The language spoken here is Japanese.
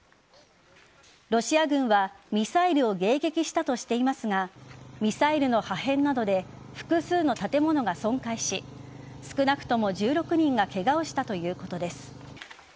ロシア軍は、ミサイルを迎撃したとしていますがミサイルの破片などで複数の建物が損壊し少なくとも１６人がケガをしたということです。